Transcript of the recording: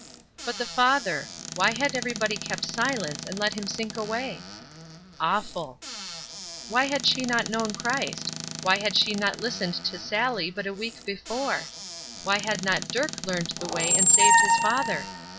But the father! Why had everybody kept silence, and let him sink away? Awful! Why had not she known Christ? Why had she not listened to Sallie but a week before? Why had not Dirk learned the way and saved his father?